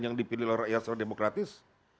yang dipilih oleh rakyat secara demokratis